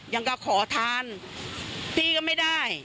ยังก็ขอทานพี่ก็ไม่ได้